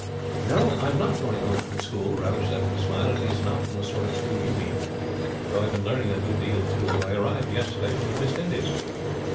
"No, I am not going home from school," Ralph said with a smile. "At least not from the sort of school you mean; though I have been learning a good deal too. I arrived yesterday from the West Indies."